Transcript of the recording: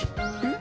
ん？